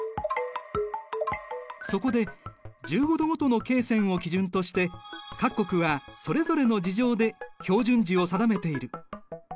そこで１５度ごとの経線を基準として各国はそれぞれの事情で標準時を定めている。